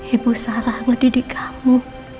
ibu salah mendidik kamu